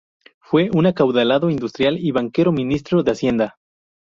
Fue un acaudalado industrial y banquero, ministro de Hacienda.